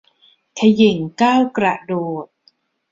เขย่งก้าวกระโดด